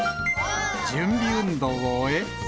準備運動を終え。